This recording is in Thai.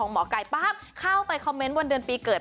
หมอไก่ปั๊บเข้าไปคอมเมนต์วันเดือนปีเกิด